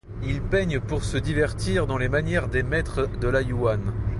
Ils peignent pour se divertir dans la manière des maîtres de la Yuan.